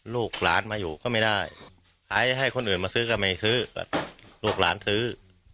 ลูกหลานมาอยู่ก็ไม่ได้ขายให้คนอื่นมาซื้อก็ไม่ซื้อลูกหลานซื้อ